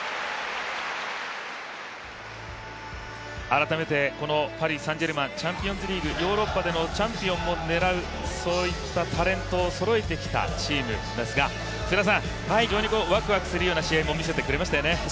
改めて、このパリ・サン＝ジェルマンチャンピオンズリーグ、ヨーロッパでのチャンピオンも狙う、そういったタレントをそろえてきたチームですが非常にワクワクするような試合も見せてくれましたよね。